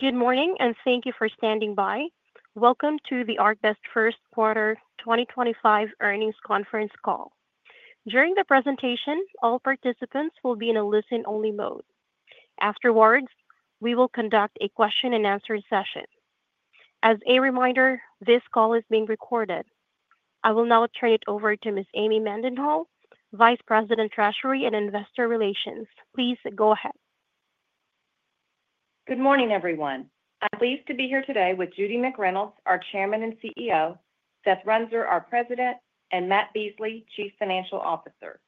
Good morning, and thank you for standing by. Welcome to the ArcBest First Quarter 2025 earnings conference call. During the presentation, all participants will be in a listen-only mode. Afterwards, we will conduct a question-and-answer session. As a reminder, this call is being recorded. I will now turn it over to Ms. Amy Mendenhall, Vice President, Treasury and Investor Relations. Please go ahead. Good morning, everyone. I'm pleased to be here today with Judy McReynolds, our Chairman and CEO, Seth Runser, our President, and Matt Beasley, Chief Financial Officer.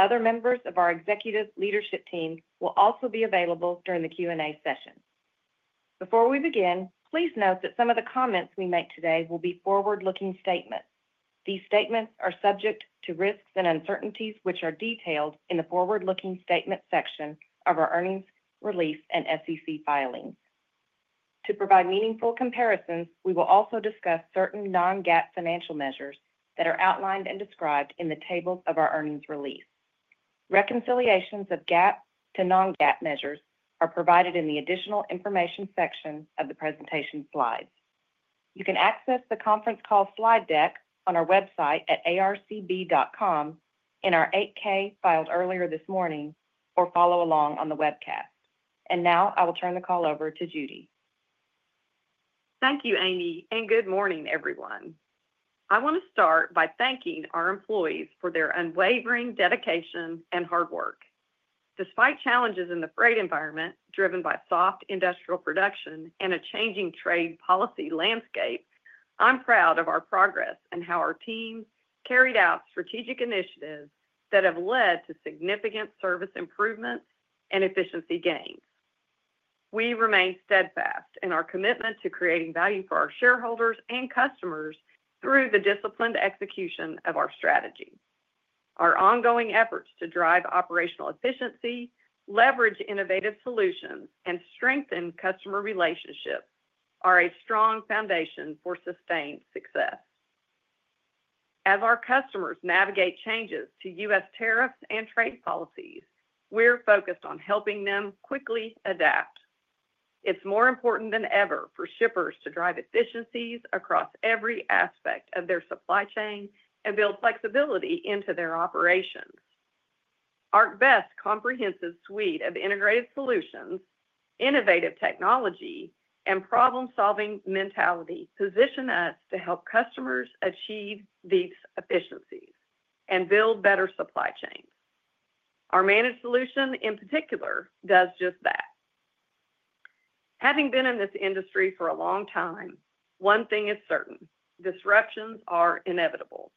Other members of our executive leadership team will also be available during the Q&A session. Before we begin, please note that some of the comments we make today will be forward-looking statements. These statements are subject to risks and uncertainties, which are detailed in the forward-looking statement section of our earnings release and SEC filings. To provide meaningful comparisons, we will also discuss certain non-GAAP financial measures that are outlined and described in the tables of our earnings release. Reconciliations of GAAP to non-GAAP measures are provided in the additional information section of the presentation slides. You can access the conference call slide deck on our website at arcb.com in our 8K filed earlier this morning, or follow along on the webcast. I will turn the call over to Judy. Thank you, Amy, and good morning, everyone. I want to start by thanking our employees for their unwavering dedication and hard work. Despite challenges in the freight environment driven by soft industrial production and a changing trade policy landscape, I'm proud of our progress and how our team carried out strategic initiatives that have led to significant service improvements and efficiency gains. We remain steadfast in our commitment to creating value for our shareholders and customers through the disciplined execution of our strategy. Our ongoing efforts to drive operational efficiency, leverage innovative solutions, and strengthen customer relationships are a strong foundation for sustained success. As our customers navigate changes to U.S. tariffs and trade policies, we're focused on helping them quickly adapt. It's more important than ever for shippers to drive efficiencies across every aspect of their supply chain and build flexibility into their operations. ArcBest's comprehensive suite of integrated solutions, innovative technology, and problem-solving mentality positions us to help customers achieve these efficiencies and build better supply chains. Our managed solution, in particular, does just that. Having been in this industry for a long time, one thing is certain: disruptions are inevitable.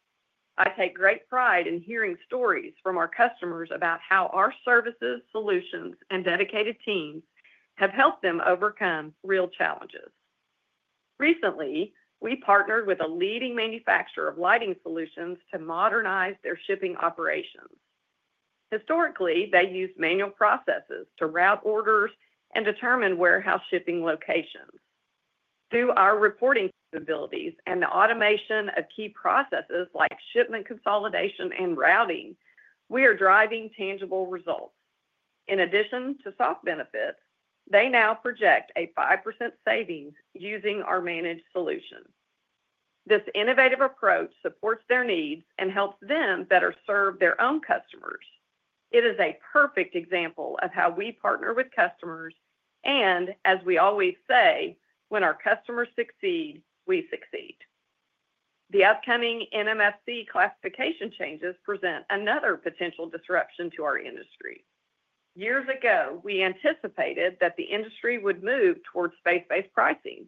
I take great pride in hearing stories from our customers about how our services, solutions, and dedicated teams have helped them overcome real challenges. Recently, we partnered with a leading manufacturer of lighting solutions to modernize their shipping operations. Historically, they used manual processes to route orders and determine warehouse shipping locations. Through our reporting capabilities and the automation of key processes like shipment consolidation and routing, we are driving tangible results. In addition to soft benefits, they now project a 5% savings using our managed solutions. This innovative approach supports their needs and helps them better serve their own customers. It is a perfect example of how we partner with customers, and as we always say, when our customers succeed, we succeed. The upcoming NMFC classification changes present another potential disruption to our industry. Years ago, we anticipated that the industry would move towards space-based pricing,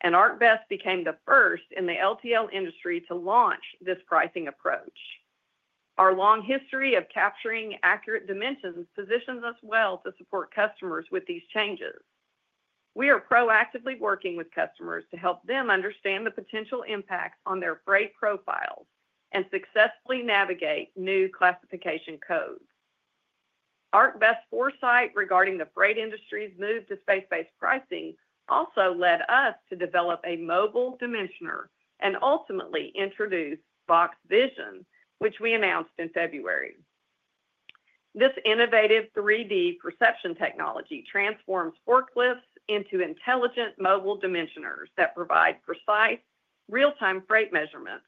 and ArcBest became the first in the LTL industry to launch this pricing approach. Our long history of capturing accurate dimensions positions us well to support customers with these changes. We are proactively working with customers to help them understand the potential impacts on their freight profiles and successfully navigate new classification codes. ArcBest's foresight regarding the freight industry's move to space-based pricing also led us to develop a mobile dimensioner and ultimately introduce Vox Vision, which we announced in February. This innovative 3D perception technology transforms forklifts into intelligent mobile dimensioners that provide precise, real-time freight measurements,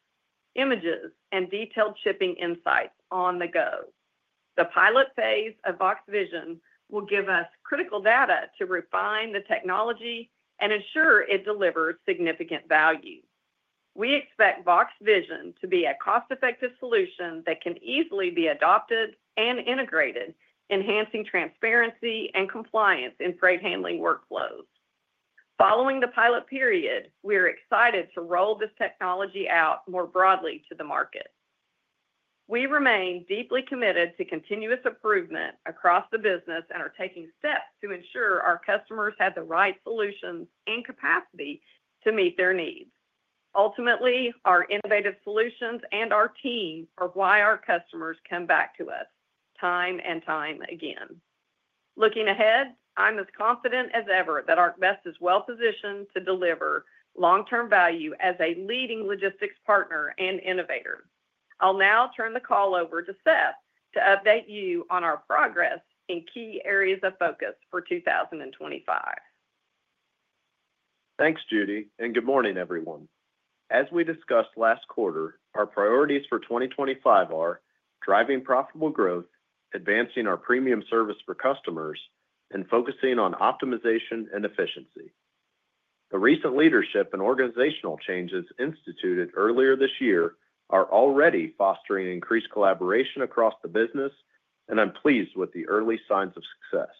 images, and detailed shipping insights on the go. The pilot phase of Vox Vision will give us critical data to refine the technology and ensure it delivers significant value. We expect Vox Vision to be a cost-effective solution that can easily be adopted and integrated, enhancing transparency and compliance in freight handling workflows. Following the pilot period, we are excited to roll this technology out more broadly to the market. We remain deeply committed to continuous improvement across the business and are taking steps to ensure our customers have the right solutions and capacity to meet their needs. Ultimately, our innovative solutions and our team are why our customers come back to us time and time again. Looking ahead, I'm as confident as ever that ArcBest is well-positioned to deliver long-term value as a leading logistics partner and innovator. I'll now turn the call over to Seth to update you on our progress in key areas of focus for 2025. Thanks, Judy, and good morning, everyone. As we discussed last quarter, our priorities for 2025 are driving profitable growth, advancing our premium service for customers, and focusing on optimization and efficiency. The recent leadership and organizational changes instituted earlier this year are already fostering increased collaboration across the business, and I'm pleased with the early signs of success.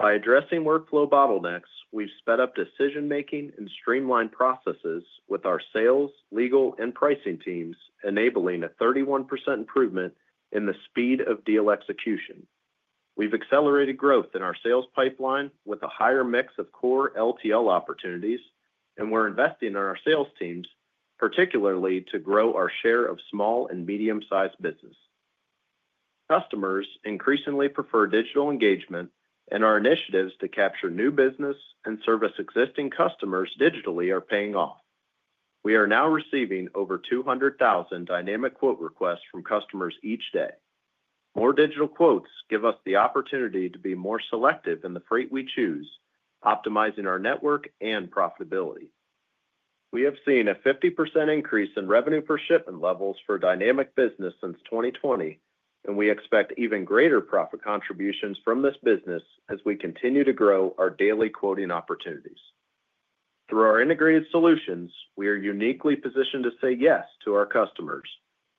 By addressing workflow bottlenecks, we've sped up decision-making and streamlined processes with our sales, legal, and pricing teams, enabling a 31% improvement in the speed of deal execution. We've accelerated growth in our sales pipeline with a higher mix of core LTL opportunities, and we're investing in our sales teams, particularly to grow our share of small and medium-sized business. Customers increasingly prefer digital engagement, and our initiatives to capture new business and service existing customers digitally are paying off. We are now receiving over 200,000 dynamic quote requests from customers each day. More digital quotes give us the opportunity to be more selective in the freight we choose, optimizing our network and profitability. We have seen a 50% increase in revenue per shipment levels for dynamic business since 2020, and we expect even greater profit contributions from this business as we continue to grow our daily quoting opportunities. Through our integrated solutions, we are uniquely positioned to say yes to our customers,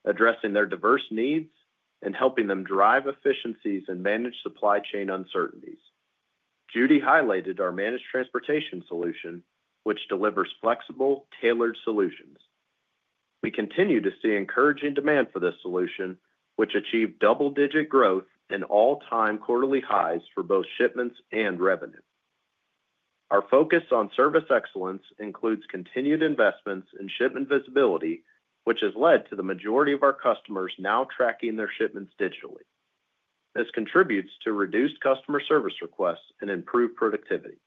addressing their diverse needs and helping them drive efficiencies and manage supply chain uncertainties. Judy highlighted our managed transportation solution, which delivers flexible, tailored solutions. We continue to see encouraging demand for this solution, which achieved double-digit growth and all-time quarterly highs for both shipments and revenue. Our focus on service excellence includes continued investments in shipment visibility, which has led to the majority of our customers now tracking their shipments digitally. This contributes to reduced customer service requests and improved productivity.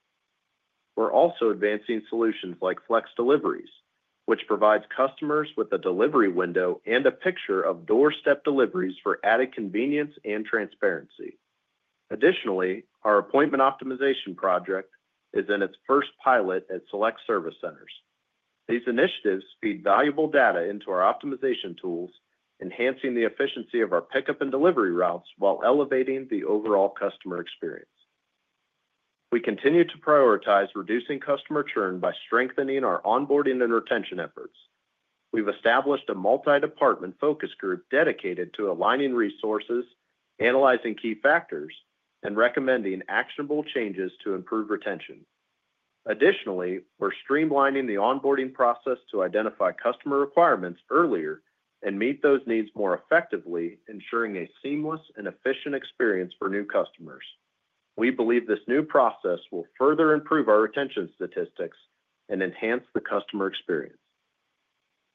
We're also advancing solutions like Flex Deliveries, which provides customers with a delivery window and a picture of doorstep deliveries for added convenience and transparency. Additionally, our appointment optimization project is in its first pilot at select service centers. These initiatives feed valuable data into our optimization tools, enhancing the efficiency of our pickup and delivery routes while elevating the overall customer experience. We continue to prioritize reducing customer churn by strengthening our onboarding and retention efforts. We've established a multi-department focus group dedicated to aligning resources, analyzing key factors, and recommending actionable changes to improve retention. Additionally, we're streamlining the onboarding process to identify customer requirements earlier and meet those needs more effectively, ensuring a seamless and efficient experience for new customers. We believe this new process will further improve our retention statistics and enhance the customer experience.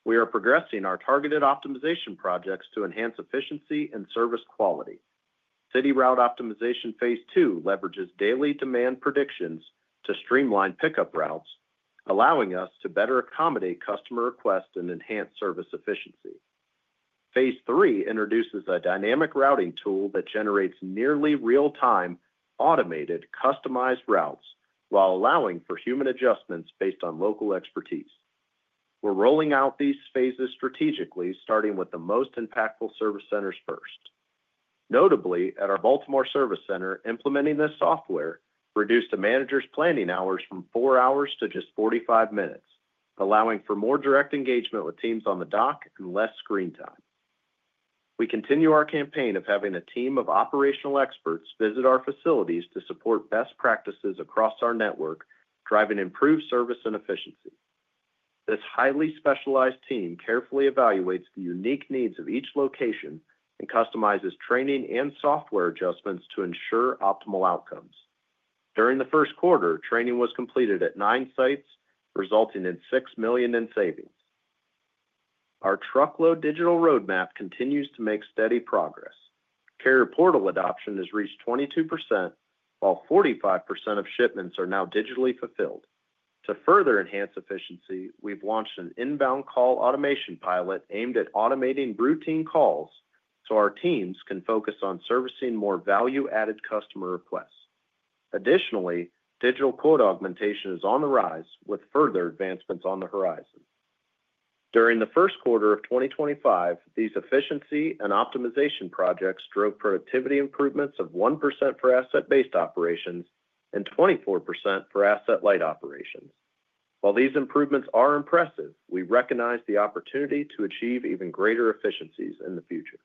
We are progressing our targeted optimization projects to enhance efficiency and service quality. City route optimization phase two leverages daily demand predictions to streamline pickup routes, allowing us to better accommodate customer requests and enhance service efficiency. Phase three introduces a dynamic routing tool that generates nearly real-time automated customized routes while allowing for human adjustments based on local expertise. We're rolling out these phases strategically, starting with the most impactful service centers first. Notably, at our Baltimore service center, implementing this software reduced a manager's planning hours from four hours to just 45 minutes, allowing for more direct engagement with teams on the dock and less screen time. We continue our campaign of having a team of operational experts visit our facilities to support best practices across our network, driving improved service and efficiency. This highly specialized team carefully evaluates the unique needs of each location and customizes training and software adjustments to ensure optimal outcomes. During the first quarter, training was completed at nine sites, resulting in $6 million in savings. Our truckload digital roadmap continues to make steady progress. Carrier portal adoption has reached 22%, while 45% of shipments are now digitally fulfilled. To further enhance efficiency, we've launched an inbound call automation pilot aimed at automating routine calls so our teams can focus on servicing more value-added customer requests. Additionally, digital quote augmentation is on the rise with further advancements on the horizon. During the first quarter of 2025, these efficiency and optimization projects drove productivity improvements of 1% for asset-based operations and 24% for asset-light operations. While these improvements are impressive, we recognize the opportunity to achieve even greater efficiencies in the future.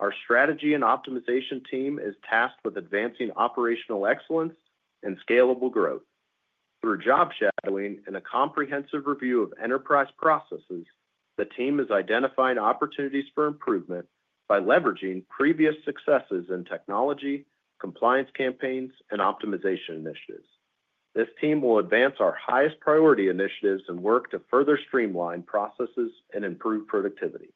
Our strategy and optimization team is tasked with advancing operational excellence and scalable growth. Through job shadowing and a comprehensive review of enterprise processes, the team is identifying opportunities for improvement by leveraging previous successes in technology, compliance campaigns, and optimization initiatives. This team will advance our highest priority initiatives and work to further streamline processes and improve productivity.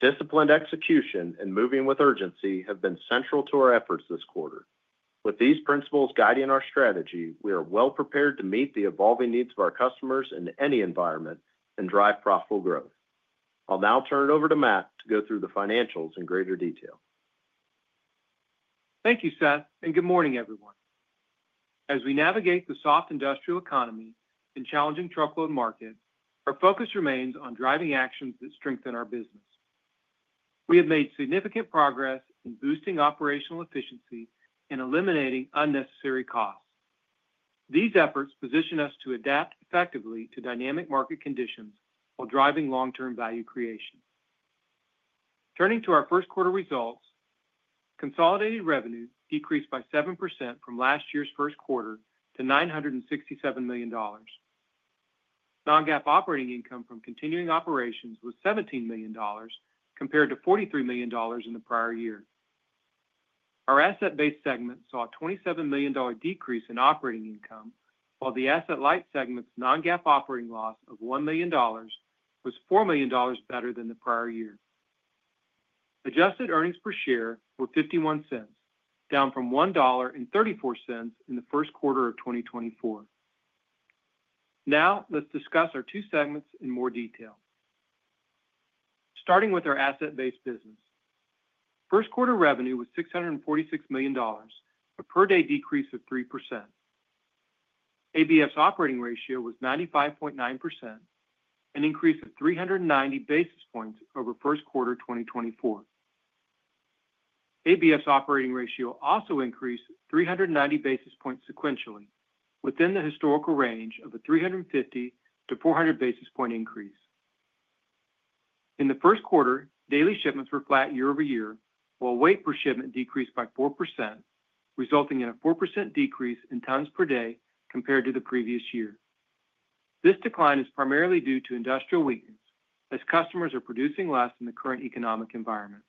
Disciplined execution and moving with urgency have been central to our efforts this quarter. With these principles guiding our strategy, we are well-prepared to meet the evolving needs of our customers in any environment and drive profitable growth. I'll now turn it over to Matt to go through the financials in greater detail. Thank you, Seth, and good morning, everyone. As we navigate the soft industrial economy and challenging truckload market, our focus remains on driving actions that strengthen our business. We have made significant progress in boosting operational efficiency and eliminating unnecessary costs. These efforts position us to adapt effectively to dynamic market conditions while driving long-term value creation. Turning to our first quarter results, consolidated revenue decreased by 7% from last year's first quarter to $967 million. Non-GAAP operating income from continuing operations was $17 million, compared to $43 million in the prior year. Our asset-based segment saw a $27 million decrease in operating income, while the asset-light segment's non-GAAP operating loss of $1 million was $4 million better than the prior year. Adjusted earnings per share were $0.51, down from $1.34 in the first quarter of 2024. Now, let's discuss our two segments in more detail. Starting with our asset-based business, first quarter revenue was $646 million, a per-day decrease of 3%. ABF's operating ratio was 95.9%, an increase of 390 basis points over first quarter 2024. ABF's operating ratio also increased 390 basis points sequentially, within the historical range of a 350-400 basis point increase. In the first quarter, daily shipments were flat year over year, while weight per shipment decreased by 4%, resulting in a 4% decrease in tons per day compared to the previous year. This decline is primarily due to industrial weakness, as customers are producing less in the current economic environment.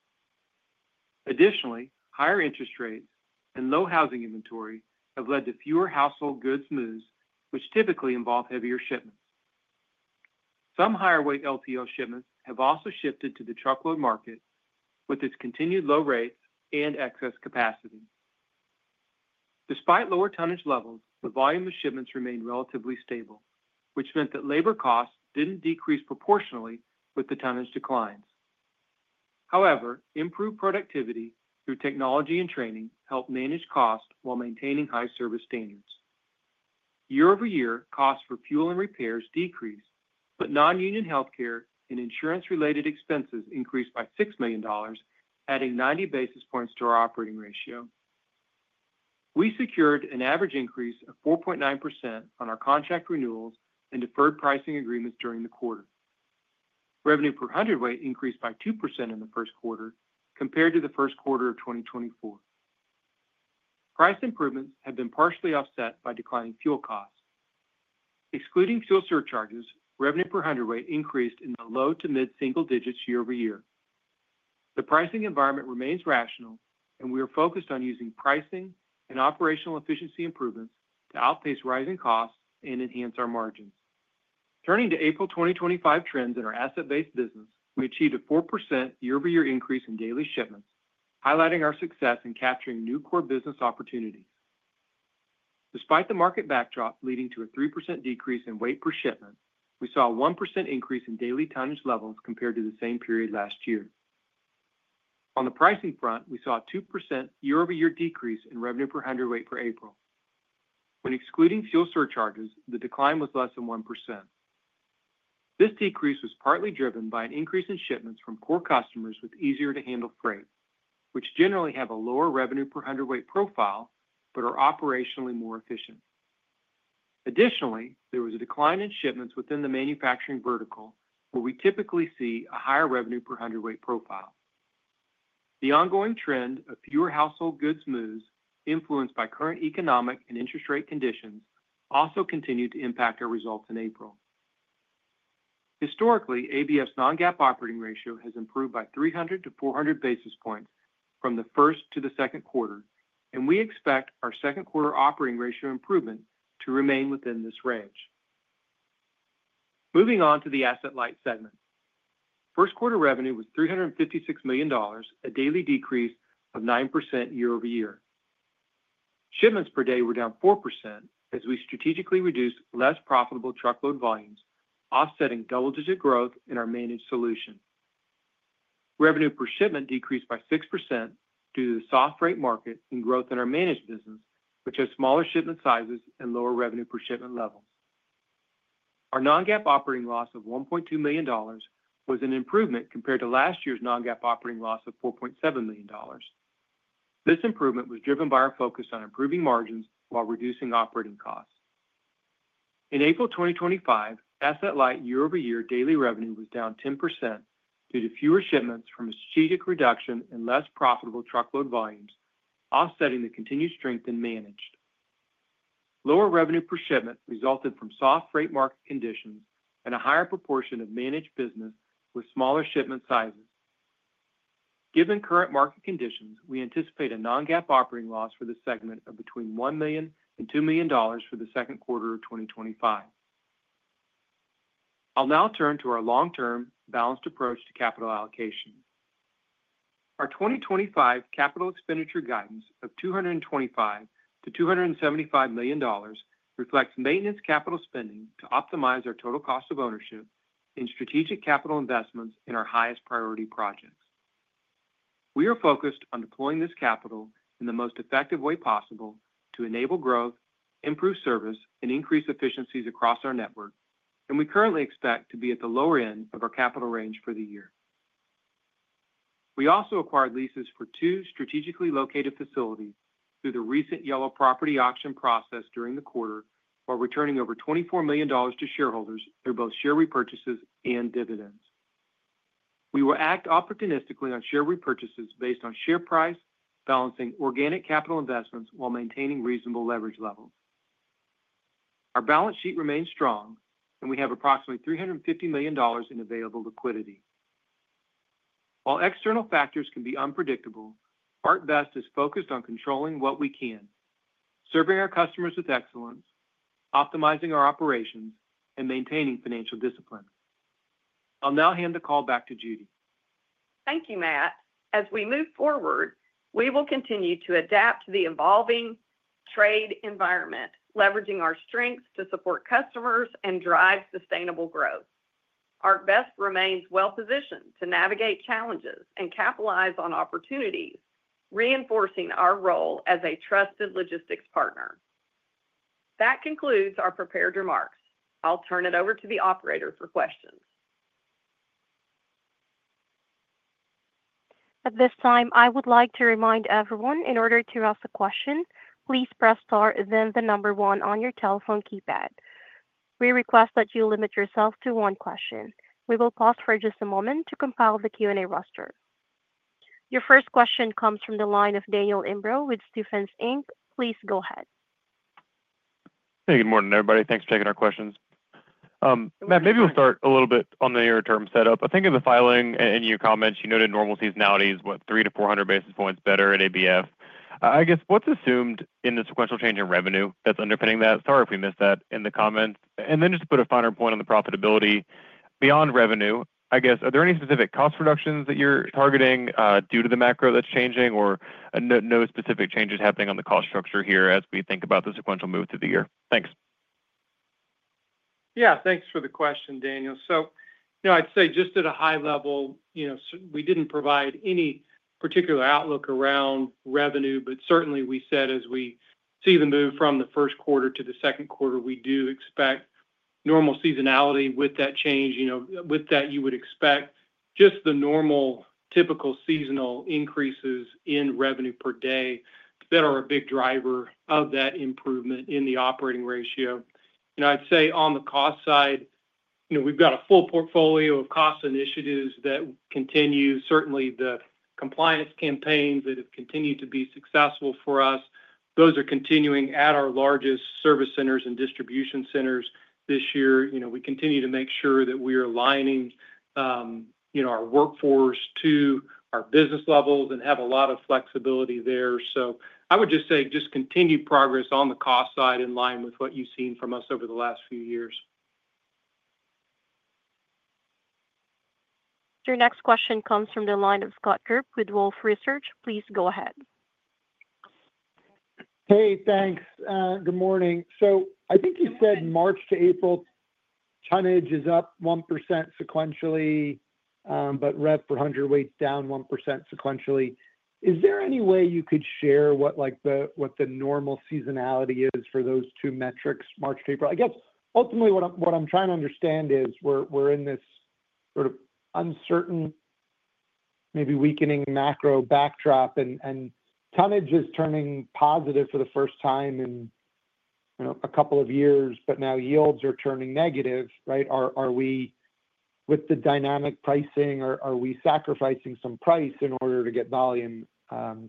Additionally, higher interest rates and low housing inventory have led to fewer household goods moves, which typically involve heavier shipments. Some higher-weight LTL shipments have also shifted to the truckload market, with its continued low rates and excess capacity. Despite lower tonnage levels, the volume of shipments remained relatively stable, which meant that labor costs did not decrease proportionally with the tonnage declines. However, improved productivity through technology and training helped manage costs while maintaining high service standards. Year over year, costs for fuel and repairs decreased, but non-union healthcare and insurance-related expenses increased by $6 million, adding 90 basis points to our operating ratio. We secured an average increase of 4.9% on our contract renewals and deferred pricing agreements during the quarter. Revenue per hundredweight increased by 2% in the first quarter, compared to the first quarter of 2024. Price improvements have been partially offset by declining fuel costs. Excluding fuel surcharges, revenue per hundredweight increased in the low to mid-single digits year over year. The pricing environment remains rational, and we are focused on using pricing and operational efficiency improvements to outpace rising costs and enhance our margins. Turning to April 2025 trends in our asset-based business, we achieved a 4% year-over-year increase in daily shipments, highlighting our success in capturing new core business opportunities. Despite the market backdrop leading to a 3% decrease in weight per shipment, we saw a 1% increase in daily tonnage levels compared to the same period last year. On the pricing front, we saw a 2% year-over-year decrease in revenue per hundredweight for April. When excluding fuel surcharges, the decline was less than 1%. This decrease was partly driven by an increase in shipments from core customers with easier-to-handle freight, which generally have a lower revenue per hundredweight profile but are operationally more efficient. Additionally, there was a decline in shipments within the manufacturing vertical, where we typically see a higher revenue per hundredweight profile. The ongoing trend of fewer household goods moves, influenced by current economic and interest rate conditions, also continued to impact our results in April. Historically, ABF's non-GAAP operating ratio has improved by 300-400 basis points from the first to the second quarter, and we expect our second quarter operating ratio improvement to remain within this range. Moving on to the asset-light segment, first quarter revenue was $356 million, a daily decrease of 9% year over year. Shipments per day were down 4% as we strategically reduced less profitable truckload volumes, offsetting double-digit growth in our managed solution. Revenue per shipment decreased by 6% due to the soft freight market and growth in our managed business, which has smaller shipment sizes and lower revenue per shipment levels. Our non-GAAP operating loss of $1.2 million was an improvement compared to last year's non-GAAP operating loss of $4.7 million. This improvement was driven by our focus on improving margins while reducing operating costs. In April 2025, asset-light year-over-year daily revenue was down 10% due to fewer shipments from a strategic reduction in less profitable truckload volumes, offsetting the continued strength in managed. Lower revenue per shipment resulted from soft freight market conditions and a higher proportion of managed business with smaller shipment sizes. Given current market conditions, we anticipate a non-GAAP operating loss for the segment of between $1 million and $2 million for the second quarter of 2025. I'll now turn to our long-term balanced approach to capital allocation. Our 2025 capital expenditure guidance of $225-$275 million reflects maintenance capital spending to optimize our total cost of ownership and strategic capital investments in our highest priority projects. We are focused on deploying this capital in the most effective way possible to enable growth, improve service, and increase efficiencies across our network, and we currently expect to be at the lower end of our capital range for the year. We also acquired leases for two strategically located facilities through the recent Yellow property auction process during the quarter, while returning over $24 million to shareholders through both share repurchases and dividends. We will act opportunistically on share repurchases based on share price, balancing organic capital investments while maintaining reasonable leverage levels. Our balance sheet remains strong, and we have approximately $350 million in available liquidity. While external factors can be unpredictable, ArcBest is focused on controlling what we can, serving our customers with excellence, optimizing our operations, and maintaining financial discipline. I'll now hand the call back to Judy. Thank you, Matt. As we move forward, we will continue to adapt to the evolving trade environment, leveraging our strengths to support customers and drive sustainable growth. ArcBest remains well-positioned to navigate challenges and capitalize on opportunities, reinforcing our role as a trusted logistics partner. That concludes our prepared remarks. I'll turn it over to the operators for questions. At this time, I would like to remind everyone, in order to ask a question, please press star and then the number one on your telephone keypad. We request that you limit yourself to one question. We will pause for just a moment to compile the Q&A roster. Your first question comes from the line of Daniel Imbro with Stephens Inc. Please go ahead. Hey, good morning, everybody. Thanks for taking our questions. Matt, maybe we'll start a little bit on the nearer-term setup. I think in the filing and in your comments, you noted normal seasonalities, what, three to four hundred basis points better at ABF. I guess what's assumed in the sequential change in revenue that's underpinning that? Sorry if we missed that in the comments. Just to put a finer point on the profitability beyond revenue, I guess, are there any specific cost reductions that you're targeting due to the macro that's changing or no specific changes happening on the cost structure here as we think about the sequential move through the year? Thanks. Yeah, thanks for the question, Daniel. You know, I'd say just at a high level, you know, we didn't provide any particular outlook around revenue, but certainly we said as we see the move from the first quarter to the second quarter, we do expect normal seasonality with that change. You know, with that, you would expect just the normal typical seasonal increases in revenue per day that are a big driver of that improvement in the operating ratio. You know, I'd say on the cost side, you know, we've got a full portfolio of cost initiatives that continue. Certainly, the compliance campaigns that have continued to be successful for us, those are continuing at our largest service centers and distribution centers this year. You know, we continue to make sure that we are aligning, you know, our workforce to our business levels and have a lot of flexibility there. I would just say just continued progress on the cost side in line with what you've seen from us over the last few years. Your next question comes from the line of Scott Group with Wolfe Research. Please go ahead. Hey, thanks. Good morning. I think you said March to April, tonnage is up 1% sequentially, but rev per hundredweight's down 1% sequentially. Is there any way you could share what, like, the normal seasonality is for those two metrics, March, April? I guess ultimately what I'm trying to understand is we're in this sort of uncertain, maybe weakening macro backdrop, and tonnage is turning positive for the first time in, you know, a couple of years, but now yields are turning negative, right? Are we, with the dynamic pricing, are we sacrificing some price in order to get volume?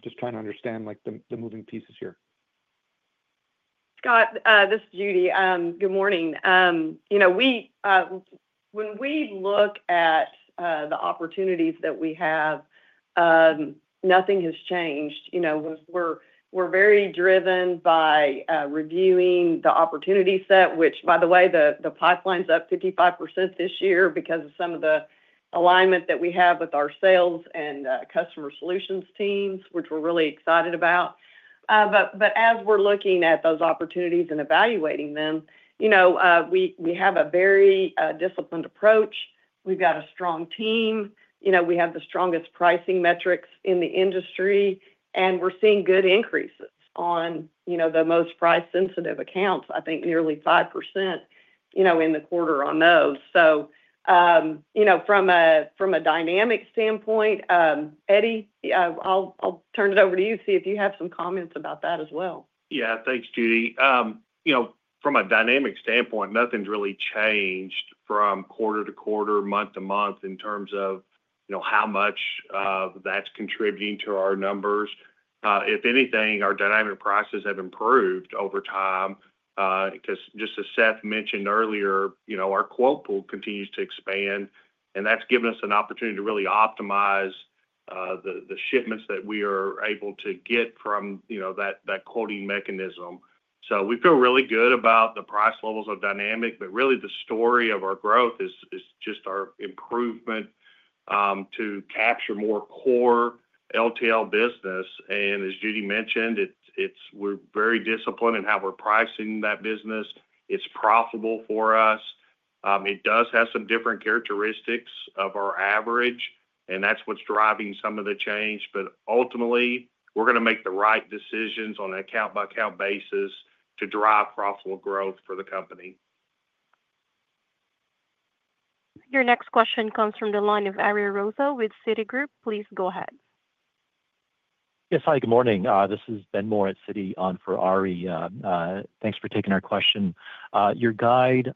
Just trying to understand, like, the moving pieces here. Scott, this is Judy. Good morning. You know, when we look at the opportunities that we have, nothing has changed. You know, we're very driven by reviewing the opportunity set, which, by the way, the pipeline's up 55% this year because of some of the alignment that we have with our sales and customer solutions teams, which we're really excited about. As we're looking at those opportunities and evaluating them, you know, we have a very disciplined approach. We've got a strong team. You know, we have the strongest pricing metrics in the industry, and we're seeing good increases on, you know, the most price-sensitive accounts, I think nearly 5%, you know, in the quarter on those. From a dynamic standpoint, Eddie, I'll turn it over to you to see if you have some comments about that as well. Yeah, thanks, Judy. You know, from a dynamic standpoint, nothing's really changed from quarter to quarter, month to month in terms of, you know, how much that's contributing to our numbers. If anything, our dynamic prices have improved over time because, just as Seth mentioned earlier, you know, our quote pool continues to expand, and that's given us an opportunity to really optimize the shipments that we are able to get from, you know, that quoting mechanism. We feel really good about the price levels of dynamic, but really the story of our growth is just our improvement to capture more core LTL business. As Judy mentioned, we're very disciplined in how we're pricing that business. It's profitable for us. It does have some different characteristics of our average, and that's what's driving some of the change. Ultimately, we're going to make the right decisions on an account-by-account basis to drive profitable growth for the company. Your next question comes from the line of Ben Moore with Citigroup. Please go ahead. Yes, hi, good morning. This is Ben Moore at Citigroup on for Ari. Thanks for taking our question. Your guide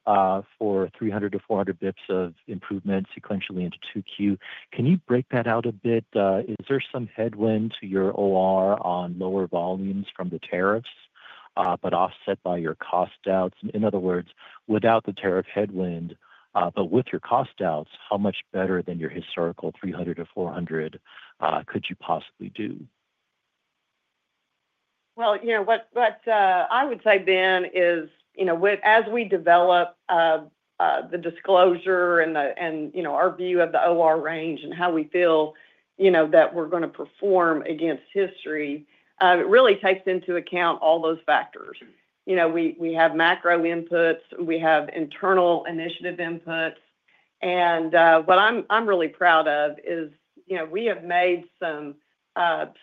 for 300-400 basis points of improvement sequentially into 2Q, can you break that out a bit? Is there some headwind to your OR on lower volumes from the tariffs, but offset by your cost doubts? In other words, without the tariff headwind, but with your cost doubts, how much better than your historical 300-400 could you possibly do? You know, what I would say, Ben, is, you know, as we develop the disclosure and, you know, our view of the OR range and how we feel, you know, that we're going to perform against history, it really takes into account all those factors. You know, we have macro inputs, we have internal initiative inputs, and what I'm really proud of is, you know, we have made some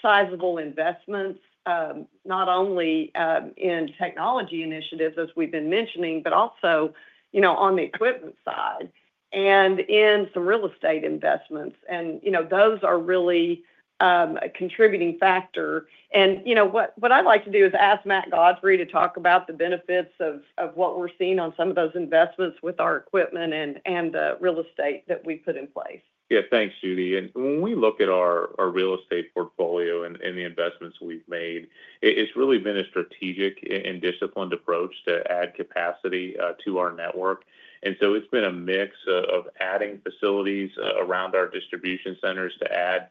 sizable investments, not only in technology initiatives, as we've been mentioning, but also, you know, on the equipment side and in some real estate investments. You know, those are really a contributing factor. You know, what I'd like to do is ask Matt Godfrey to talk about the benefits of what we're seeing on some of those investments with our equipment and the real estate that we've put in place. Yeah, thanks, Judy. When we look at our real estate portfolio and the investments we've made, it's really been a strategic and disciplined approach to add capacity to our network. It's been a mix of adding facilities around our distribution centers to add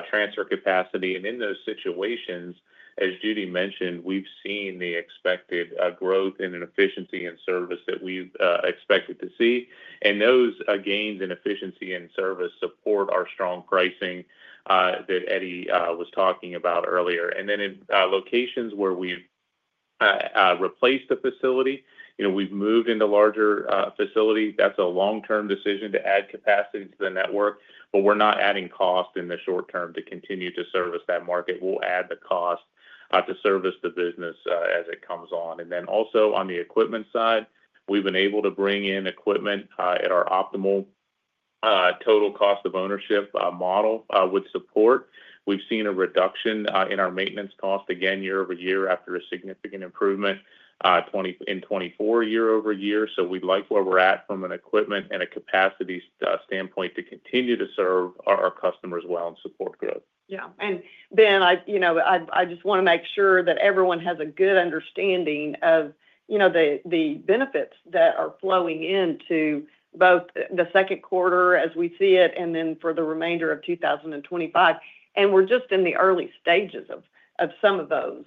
transfer capacity. In those situations, as Judy mentioned, we've seen the expected growth in efficiency and service that we've expected to see. Those gains in efficiency and service support our strong pricing that Eddie was talking about earlier. In locations where we've replaced the facility, you know, we've moved into a larger facility. That's a long-term decision to add capacity to the network, but we're not adding cost in the short term to continue to service that market. We'll add the cost to service the business as it comes on. On the equipment side, we've been able to bring in equipment at our optimal total cost of ownership model with support. We've seen a reduction in our maintenance cost again year over year after a significant improvement in 2024 year over year. We like where we're at from an equipment and a capacity standpoint to continue to serve our customers well and support growth. Yeah. Ben, you know, I just want to make sure that everyone has a good understanding of, you know, the benefits that are flowing into both the second quarter as we see it and then for the remainder of 2025. We're just in the early stages of some of those.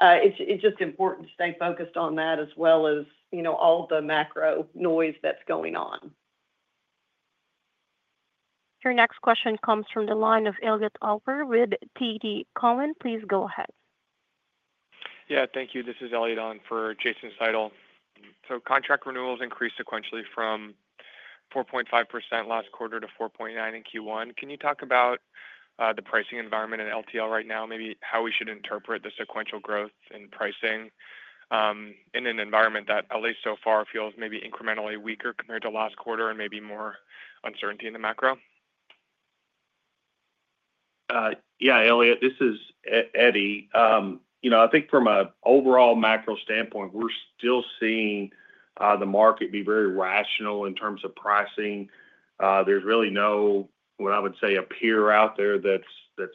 It's just important to stay focused on that as well as, you know, all the macro noise that's going on. Your next question comes from the line of Elliot Alper with TD Cowen. Please go ahead. Yeah, thank you. This is Elliot Alper for Jason Seidel. Contract renewals increased sequentially from 4.5% last quarter to 4.9% in Q1. Can you talk about the pricing environment in LTL right now, maybe how we should interpret the sequential growth in pricing in an environment that, at least so far, feels maybe incrementally weaker compared to last quarter and maybe more uncertainty in the macro? Yeah, Elliot, this is Eddie. You know, I think from an overall macro standpoint, we're still seeing the market be very rational in terms of pricing. There's really no, what I would say, a peer out there that's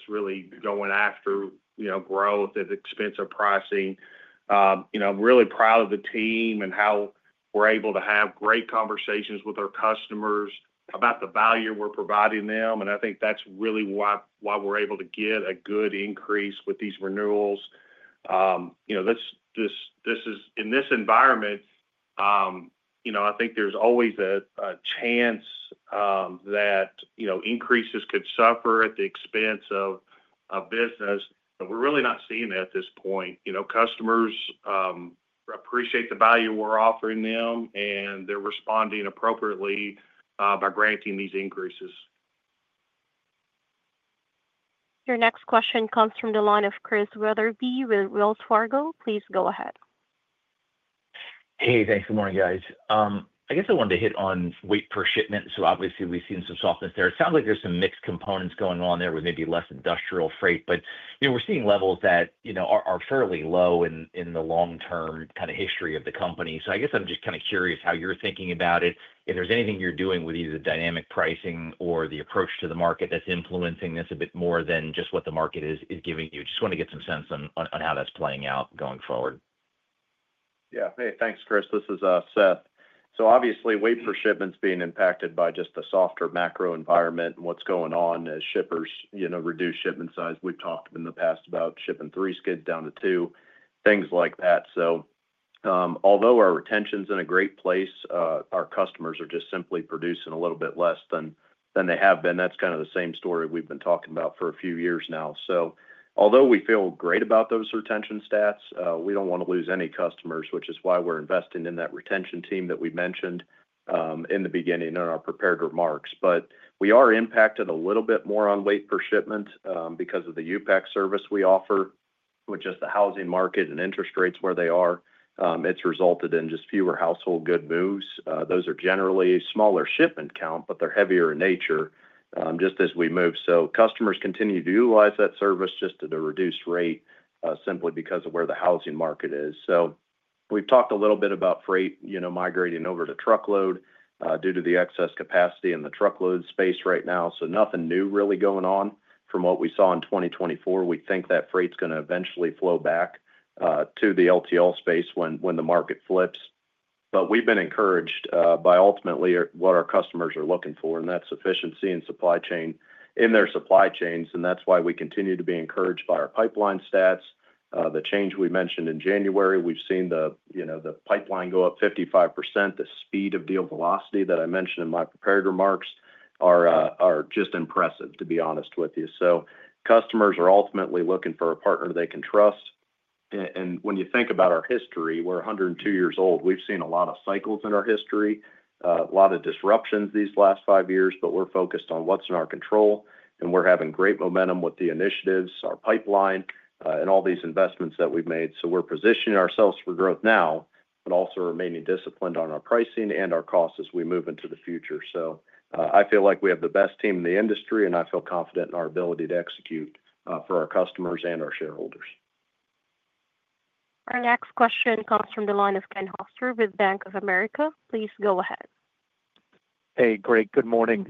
really going after, you know, growth at the expense of pricing. I'm really proud of the team and how we're able to have great conversations with our customers about the value we're providing them. I think that's really why we're able to get a good increase with these renewals. You know, this is, in this environment, I think there's always a chance that, you know, increases could suffer at the expense of business. We're really not seeing that at this point. You know, customers appreciate the value we're offering them, and they're responding appropriately by granting these increases. Your next question comes from the line of Chris Wetherby with Wells Fargo. Please go ahead. Hey, thanks. Good morning, guys. I guess I wanted to hit on weight per shipment. Obviously, we've seen some softness there. It sounds like there's some mixed components going on there with maybe less industrial freight, but, you know, we're seeing levels that, you know, are fairly low in the long-term kind of history of the company. I guess I'm just kind of curious how you're thinking about it, if there's anything you're doing with either the dynamic pricing or the approach to the market that's influencing this a bit more than just what the market is giving you. Just want to get some sense on how that's playing out going forward. Yeah. Hey, thanks, Chris. This is Seth. Obviously, weight per shipment's being impacted by just the softer macro environment and what's going on as shippers, you know, reduce shipment size. We've talked in the past about shipping three skids down to two, things like that. Although our retention's in a great place, our customers are just simply producing a little bit less than they have been. That's kind of the same story we've been talking about for a few years now. Although we feel great about those retention stats, we don't want to lose any customers, which is why we're investing in that retention team that we mentioned in the beginning in our prepared remarks. We are impacted a little bit more on weight per shipment because of the U-Pack service we offer, which is the housing market and interest rates where they are. It's resulted in just fewer household good moves. Those are generally smaller shipment count, but they're heavier in nature just as we move. Customers continue to utilize that service just at a reduced rate simply because of where the housing market is. We've talked a little bit about freight, you know, migrating over to truckload due to the excess capacity in the truckload space right now. Nothing new really going on from what we saw in 2024. We think that freight's going to eventually flow back to the LTL space when the market flips. We've been encouraged by ultimately what our customers are looking for, and that's efficiency in supply chain in their supply chains. That's why we continue to be encouraged by our pipeline stats. The change we mentioned in January, we've seen the, you know, the pipeline go up 55%. The speed of deal velocity that I mentioned in my prepared remarks are just impressive, to be honest with you. Customers are ultimately looking for a partner they can trust. When you think about our history, we're 102 years old. We've seen a lot of cycles in our history, a lot of disruptions these last five years, but we're focused on what's in our control, and we're having great momentum with the initiatives, our pipeline, and all these investments that we've made. We're positioning ourselves for growth now, but also remaining disciplined on our pricing and our costs as we move into the future. I feel like we have the best team in the industry, and I feel confident in our ability to execute for our customers and our shareholders. Our next question comes from the line of Ken Hoexter with Bank of America. Please go ahead. Hey, Greg, good morning.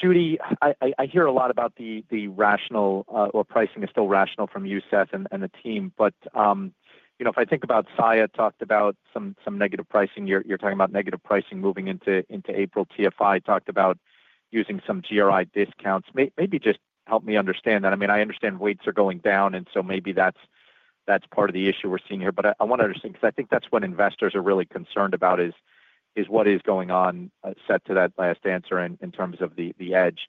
Judy, I hear a lot about the rational, or pricing is still rational from you, Seth, and the team. You know, if I think about Saia talked about some negative pricing, you're talking about negative pricing moving into April. TFI talked about using some GRI discounts. Maybe just help me understand that. I mean, I understand weights are going down, and so maybe that's part of the issue we're seeing here. I want to understand, because I think that's what investors are really concerned about, is what is going on set to that last answer in terms of the edge.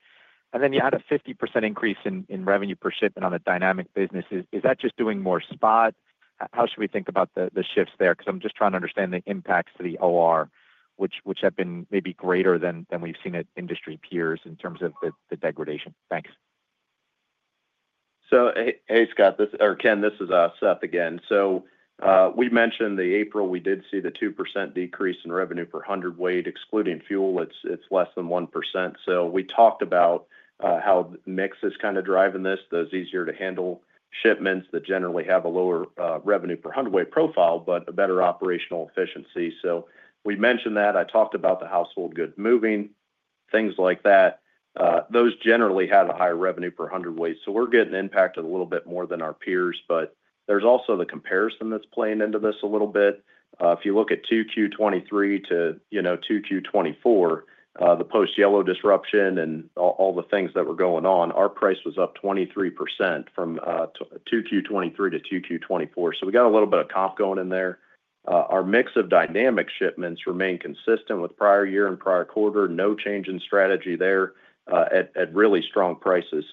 You add a 50% increase in revenue per shipment on a dynamic business. Is that just doing more spot? How should we think about the shifts there? Because I'm just trying to understand the impacts to the OR, which have been maybe greater than we've seen at industry peers in terms of the degradation. Thanks. Hey, Scott, or Ken, this is Seth again. We mentioned the April, we did see the 2% decrease in revenue per hundred weight, excluding fuel. It's less than 1%. We talked about how mix is kind of driving this, those easier to handle shipments that generally have a lower revenue per hundred weight profile, but a better operational efficiency. We mentioned that. I talked about the household good moving, things like that. Those generally had a higher revenue per hundred weight. We're getting impacted a little bit more than our peers, but there's also the comparison that's playing into this a little bit. If you look at 2Q 2023 to, you know, 2Q 2024, the post-Yellow disruption and all the things that were going on, our price was up 23% from 2Q 2023 to 2Q 2024. We got a little bit of comp going in there. Our mix of dynamic shipments remained consistent with prior year and prior quarter, no change in strategy there at really strong prices.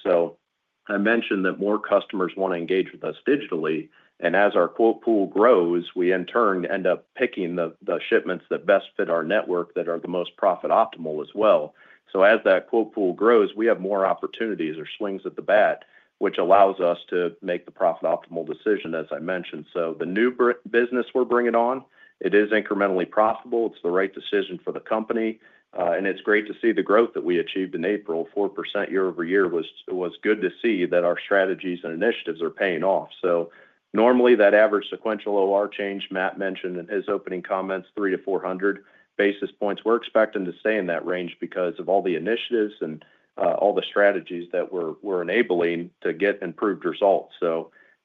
I mentioned that more customers want to engage with us digitally. As our quote pool grows, we in turn end up picking the shipments that best fit our network that are the most profit optimal as well. As that quote pool grows, we have more opportunities or swings at the bat, which allows us to make the profit optimal decision, as I mentioned. The new business we are bringing on, it is incrementally profitable. It is the right decision for the company. It is great to see the growth that we achieved in April, 4% year over year, was good to see that our strategies and initiatives are paying off. Normally that average sequential OR change Matt mentioned in his opening comments, 300-400 basis points, we're expecting to stay in that range because of all the initiatives and all the strategies that we're enabling to get improved results.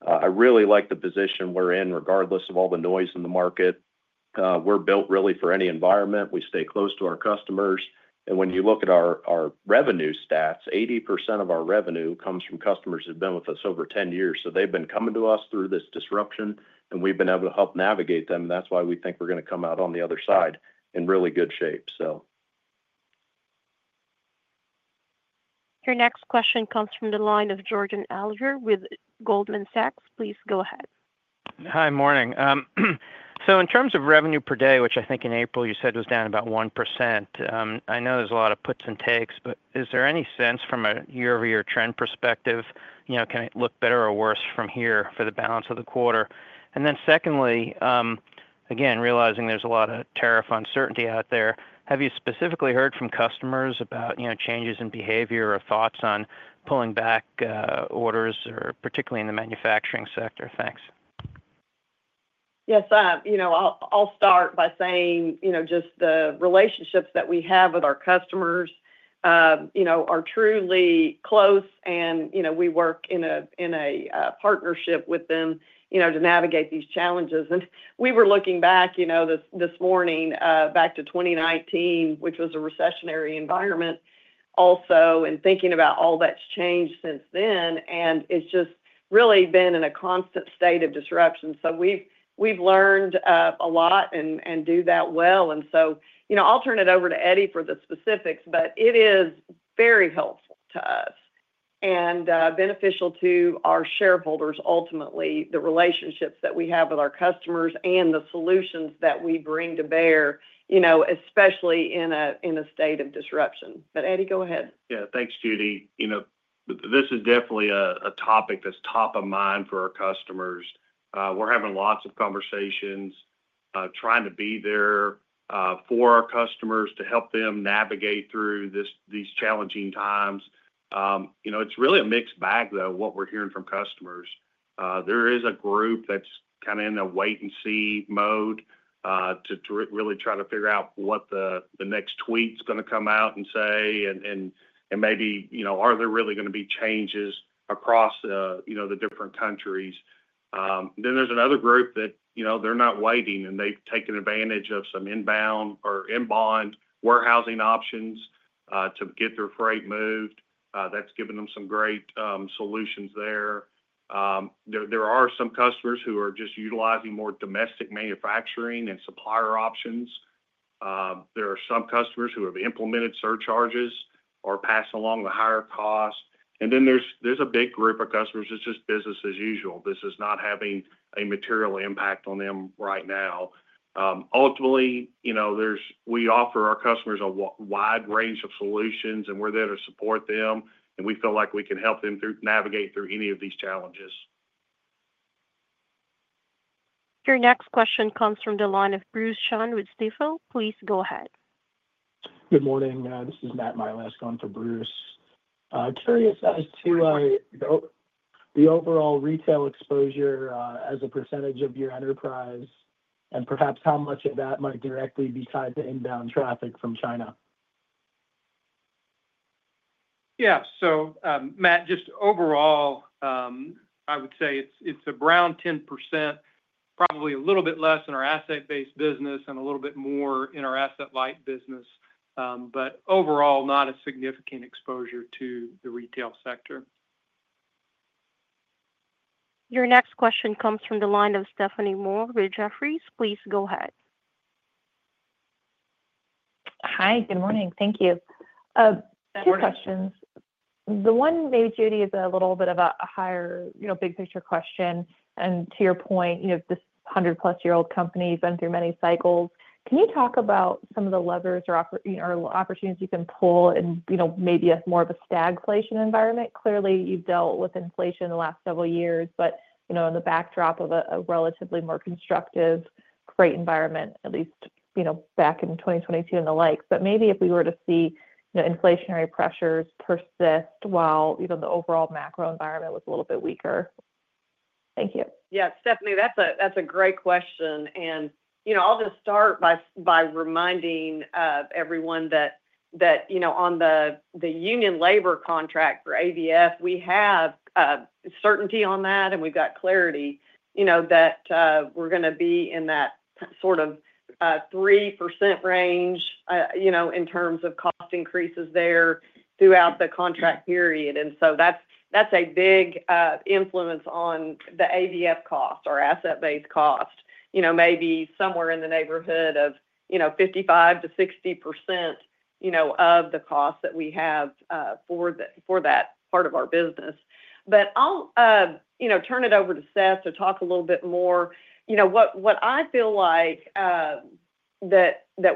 I really like the position we're in regardless of all the noise in the market. We're built really for any environment. We stay close to our customers. When you look at our revenue stats, 80% of our revenue comes from customers who've been with us over 10 years. They've been coming to us through this disruption, and we've been able to help navigate them. That's why we think we're going to come out on the other side in really good shape. Your next question comes from the line of Jordan Alliger with Goldman Sachs. Please go ahead. Hi, morning. In terms of revenue per day, which I think in April you said was down about 1%, I know there's a lot of puts and takes, but is there any sense from a year-over-year trend perspective, you know, can it look better or worse from here for the balance of the quarter? Secondly, again, realizing there's a lot of tariff uncertainty out there, have you specifically heard from customers about, you know, changes in behavior or thoughts on pulling back orders, particularly in the manufacturing sector? Thanks. Yes. You know, I'll start by saying, you know, just the relationships that we have with our customers, you know, are truly close. And, you know, we work in a partnership with them, you know, to navigate these challenges. We were looking back, you know, this morning back to 2019, which was a recessionary environment also, and thinking about all that's changed since then. It's just really been in a constant state of disruption. We've learned a lot and do that well. You know, I'll turn it over to Eddie for the specifics, but it is very helpful to us and beneficial to our shareholders ultimately, the relationships that we have with our customers and the solutions that we bring to bear, you know, especially in a state of disruption. Eddie, go ahead. Yeah, thanks, Judy. You know, this is definitely a topic that's top of mind for our customers. We're having lots of conversations trying to be there for our customers to help them navigate through these challenging times. You know, it's really a mixed bag, though, what we're hearing from customers. There is a group that's kind of in a wait-and-see mode to really try to figure out what the next tweet's going to come out and say. Maybe, you know, are there really going to be changes across, you know, the different countries? There is another group that, you know, they're not waiting, and they've taken advantage of some inbound or inbound warehousing options to get their freight moved. That's given them some great solutions there. There are some customers who are just utilizing more domestic manufacturing and supplier options. There are some customers who have implemented surcharges or passed along the higher cost. There is a big group of customers that is just business as usual. This is not having a material impact on them right now. Ultimately, you know, we offer our customers a wide range of solutions, and we are there to support them. We feel like we can help them navigate through any of these challenges. Your next question comes from the line of Bruce Chan with Stifel. Please go ahead. Good morning. This is Matt Miley on for Bruce. Curious as to the overall retail exposure as a percentage of your enterprise and perhaps how much of that might directly be tied to inbound traffic from China. Yeah. Matt, just overall, I would say it's around 10%, probably a little bit less in our asset-based business and a little bit more in our asset-light business, but overall, not a significant exposure to the retail sector. Your next question comes from the line of Stephanie Moore with Jefferies. Please go ahead. Hi, good morning. Thank you. Good morning. Two questions. The one maybe, Judy, is a little bit of a higher, you know, big picture question. And to your point, you know, this 100+ year old company has been through many cycles. Can you talk about some of the levers or opportunities you can pull in, you know, maybe a more of a stagflation environment? Clearly, you've dealt with inflation in the last several years, but, you know, in the backdrop of a relatively more constructive freight environment, at least, you know, back in 2022 and the likes. Maybe if we were to see, you know, inflationary pressures persist while, you know, the overall macro environment was a little bit weaker. Thank you. Yeah, Stephanie, that's a great question. You know, I'll just start by reminding everyone that, you know, on the union labor contract for ABF, we have certainty on that. We've got clarity, you know, that we're going to be in that sort of 3% range, you know, in terms of cost increases there throughout the contract period. That's a big influence on the ABF cost, our asset-based cost, you know, maybe somewhere in the neighborhood of, you know, 55-60%, you know, of the cost that we have for that part of our business. I'll, you know, turn it over to Seth to talk a little bit more. You know, what I feel like that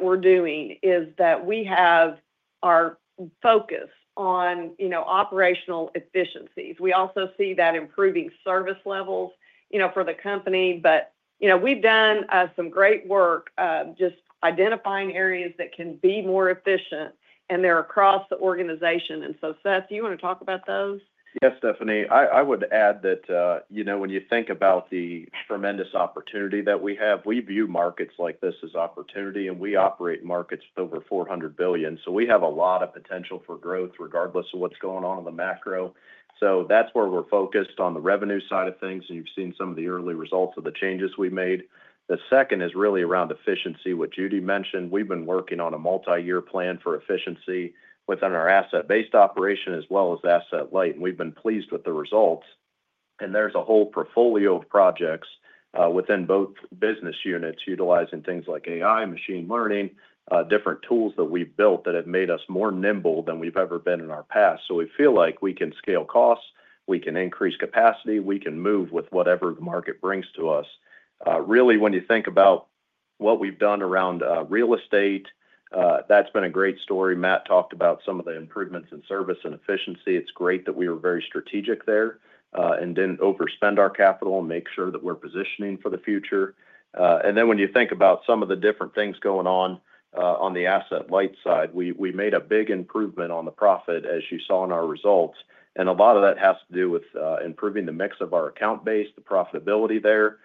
we're doing is that we have our focus on, you know, operational efficiencies. We also see that improving service levels, you know, for the company. You know, we've done some great work just identifying areas that can be more efficient, and they're across the organization. Seth, do you want to talk about those? Yes, Stephanie. I would add that, you know, when you think about the tremendous opportunity that we have, we view markets like this as opportunity. We operate markets with over $400 billion. We have a lot of potential for growth regardless of what's going on in the macro. That is where we're focused on the revenue side of things. You have seen some of the early results of the changes we made. The second is really around efficiency, what Judy mentioned. We have been working on a multi-year plan for efficiency within our asset-based operation as well as asset-light. We have been pleased with the results. There is a whole portfolio of projects within both business units utilizing things like AI, machine learning, different tools that we have built that have made us more nimble than we have ever been in our past. We feel like we can scale costs. We can increase capacity. We can move with whatever the market brings to us. Really, when you think about what we've done around real estate, that's been a great story. Matt talked about some of the improvements in service and efficiency. It's great that we were very strategic there and didn't overspend our capital and make sure that we're positioning for the future. When you think about some of the different things going on on the asset-light side, we made a big improvement on the profit, as you saw in our results. A lot of that has to do with improving the mix of our account base, the profitability there,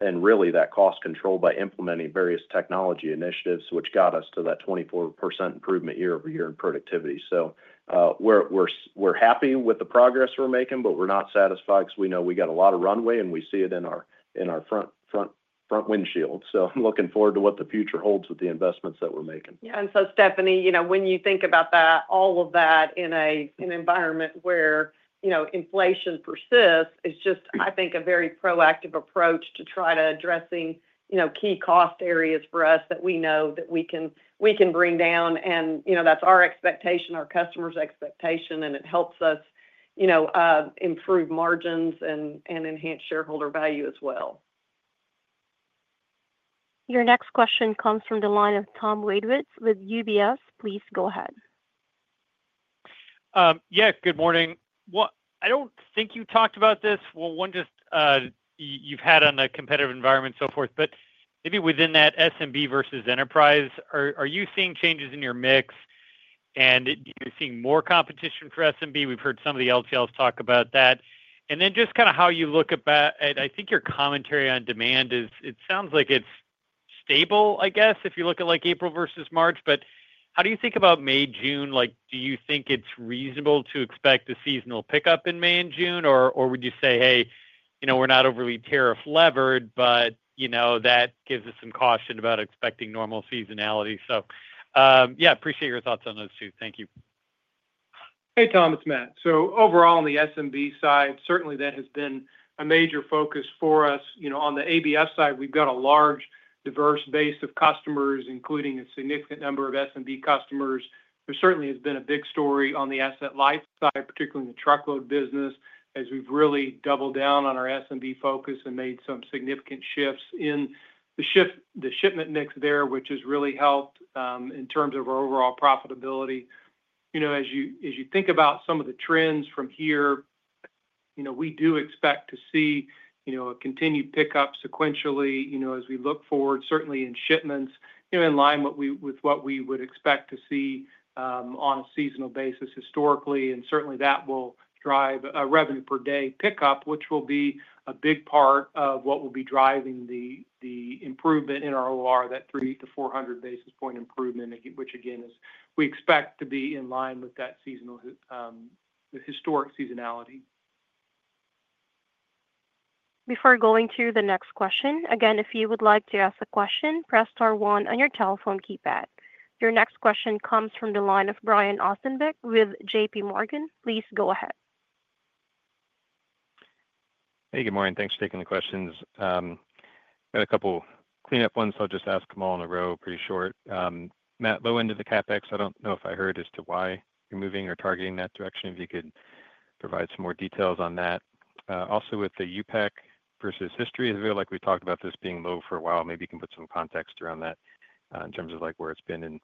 and really that cost control by implementing various technology initiatives, which got us to that 24% improvement year over year in productivity. We're happy with the progress we're making, but we're not satisfied because we know we got a lot of runway, and we see it in our front windshield. I'm looking forward to what the future holds with the investments that we're making. Yeah. Stephanie, you know, when you think about that, all of that in an environment where, you know, inflation persists, it's just, I think, a very proactive approach to try to addressing, you know, key cost areas for us that we know that we can bring down. You know, that's our expectation, our customer's expectation. It helps us, you know, improve margins and enhance shareholder value as well. Your next question comes from the line of Tom Wadewitz with UBS. Please go ahead. Yeah, good morning. I don't think you talked about this. One, just your head on the competitive environment, so forth. Maybe within that SMB versus enterprise, are you seeing changes in your mix? Do you see more competition for SMB? We've heard some of the LTLs talk about that. Just kind of how you look at that. I think your commentary on demand is it sounds like it's stable, I guess, if you look at like April versus March. How do you think about May, June? Do you think it's reasonable to expect a seasonal pickup in May and June? Or would you say, hey, you know, we're not overly tariff levered, but, you know, that gives us some caution about expecting normal seasonality? Yeah, appreciate your thoughts on those two. Thank you. Hey, Tom, it's Matt. Overall, on the SMB side, certainly that has been a major focus for us. You know, on the ABF side, we've got a large, diverse base of customers, including a significant number of SMB customers. There certainly has been a big story on the asset-light side, particularly in the truckload business, as we've really doubled down on our SMB focus and made some significant shifts in the shipment mix there, which has really helped in terms of our overall profitability. You know, as you think about some of the trends from here, you know, we do expect to see, you know, a continued pickup sequentially, you know, as we look forward, certainly in shipments, you know, in line with what we would expect to see on a seasonal basis historically. Certainly, that will drive a revenue per day pickup, which will be a big part of what will be driving the improvement in our OR, that 300-400 basis point improvement, which, again, we expect to be in line with that historic seasonality. Before going to the next question, again, if you would like to ask a question, press star one on your telephone keypad. Your next question comes from the line of Brian Ossenbeck with JP Morgan. Please go ahead. Hey, good morning. Thanks for taking the questions. I've got a couple clean-up ones, so I'll just ask them all in a row, pretty short. Matt, low end of the CapEx, I don't know if I heard as to why you're moving or targeting that direction. If you could provide some more details on that. Also, with the U-Pack versus history, as well, like we talked about this being low for a while, maybe you can put some context around that in terms of like where it's been in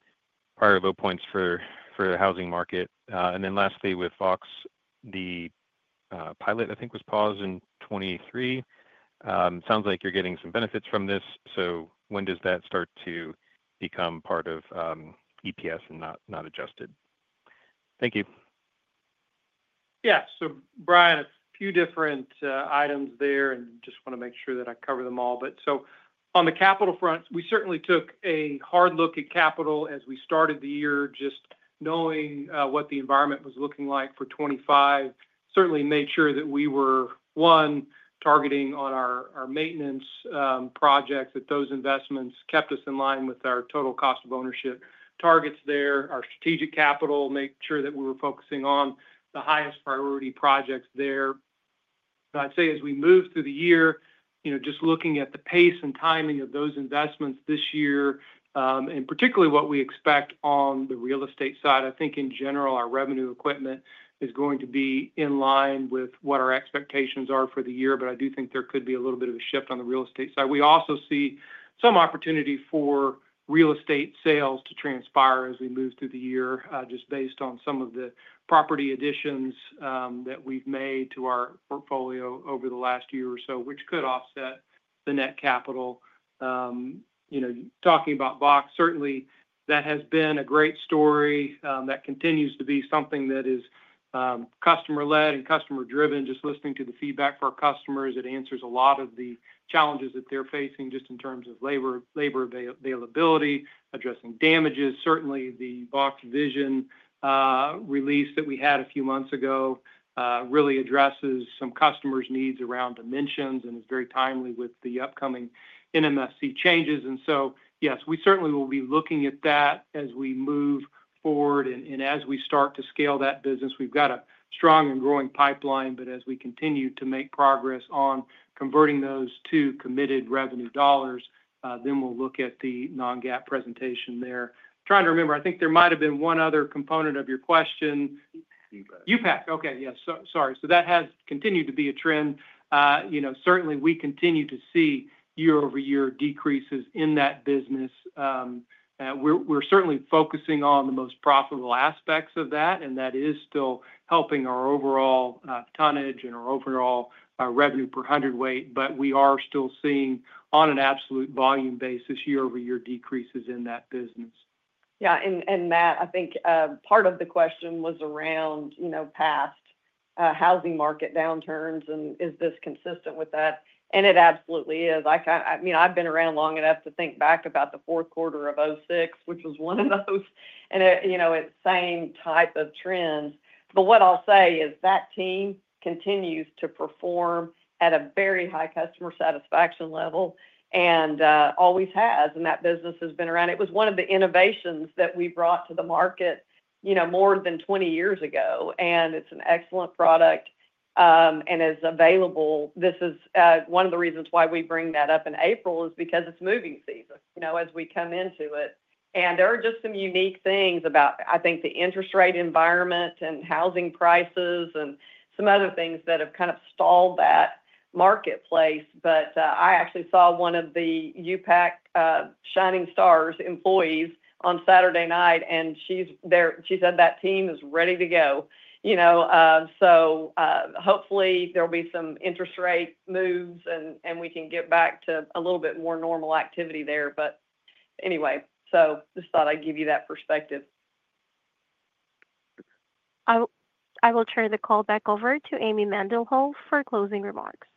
prior low points for the housing market. And then lastly, with Vox Vision, the pilot, I think, was paused in 2023. It sounds like you're getting some benefits from this. When does that start to become part of EPS and not adjusted? Thank you. Yeah. Brian, a few different items there, and just want to make sure that I cover them all. On the capital front, we certainly took a hard look at capital as we started the year, just knowing what the environment was looking like for 2025. Certainly made sure that we were, one, targeting on our maintenance projects, that those investments kept us in line with our total cost of ownership targets there. Our strategic capital, made sure that we were focusing on the highest priority projects there. I'd say as we move through the year, you know, just looking at the pace and timing of those investments this year, and particularly what we expect on the real estate side, I think in general, our revenue equipment is going to be in line with what our expectations are for the year. I do think there could be a little bit of a shift on the real estate side. We also see some opportunity for real estate sales to transpire as we move through the year, just based on some of the property additions that we've made to our portfolio over the last year or so, which could offset the net capital. You know, talking about Vox Vision, certainly that has been a great story. That continues to be something that is customer-led and customer-driven. Just listening to the feedback for our customers, it answers a lot of the challenges that they're facing just in terms of labor availability, addressing damages. Certainly, the Vox Vision release that we had a few months ago really addresses some customers' needs around dimensions and is very timely with the upcoming NMFC changes. Yes, we certainly will be looking at that as we move forward and as we start to scale that business. We've got a strong and growing pipeline. As we continue to make progress on converting those to committed revenue dollars, then we'll look at the non-GAAP presentation there. Trying to remember, I think there might have been one other component of your question. U-Pack. Okay. Yes. Sorry. That has continued to be a trend. You know, certainly, we continue to see year-over-year decreases in that business. We're certainly focusing on the most profitable aspects of that. That is still helping our overall tonnage and our overall revenue per hundredweight. We are still seeing, on an absolute volume basis, year-over-year decreases in that business. Yeah. Matt, I think part of the question was around, you know, past housing market downturns. Is this consistent with that? It absolutely is. I mean, I've been around long enough to think back about the fourth quarter of 2006, which was one of those. You know, it's the same type of trends. What I'll say is that team continues to perform at a very high customer satisfaction level and always has. That business has been around. It was one of the innovations that we brought to the market, you know, more than 20 years ago. It's an excellent product and is available. This is one of the reasons why we bring that up in April, because it's moving season, you know, as we come into it. There are just some unique things about, I think, the interest rate environment and housing prices and some other things that have kind of stalled that marketplace. I actually saw one of the U-Pack Shining Stars employees on Saturday night. She's there. She said that team is ready to go, you know. Hopefully, there'll be some interest rate moves and we can get back to a little bit more normal activity there. Anyway, just thought I'd give you that perspective. I will turn the call back over to Amy Mendenhall for closing remarks.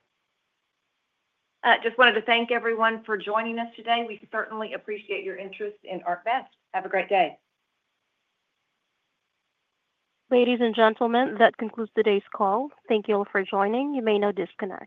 Just wanted to thank everyone for joining us today. We certainly appreciate your interest in ArcBest. Have a great day. Ladies and gentlemen, that concludes today's call. Thank you all for joining. You may now disconnect.